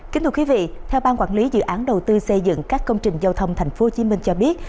kính thưa quý vị theo ban quản lý dự án đầu tư xây dựng các công trình giao thông tp hcm cho biết